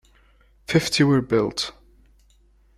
Fifty were built.